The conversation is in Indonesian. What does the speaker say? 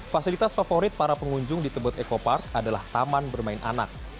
fasilitas favorit para pengunjung di tebet eco park adalah taman bermain anak